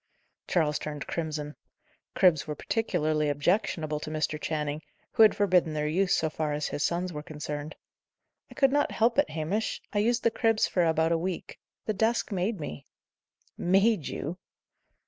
Charles turned crimson. Cribs were particularly objectionable to Mr. Channing, who had forbidden their use, so far as his sons were concerned. "I could not help it, Hamish. I used the cribs for about a week. The desk made me." "Made you!"